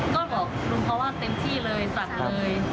ก็บอกลุงเขาว่าเต็มที่เลยสั่งเลย